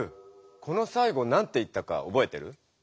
このさいごなんて言ったかおぼえてる？